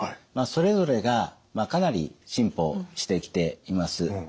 それぞれがかなり進歩してきています。